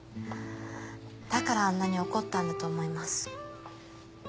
だからあんなに怒ったんだと思います。